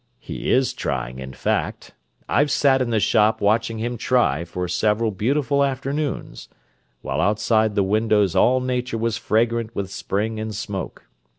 "He is trying, in fact. I've sat in the shop watching him try for several beautiful afternoons, while outside the windows all Nature was fragrant with spring and smoke.